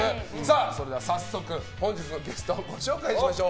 それでは早速、本日のゲストご紹介しましょう。